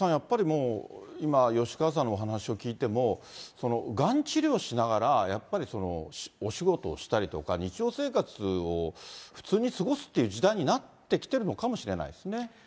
ですから、高岡さん、やっぱり今、吉川さんのお話を聞いても、がん治療しながら、やっぱりお仕事をしたりとか、日常生活を普通に過ごすっていう時代になってきてるのかもしれないですね。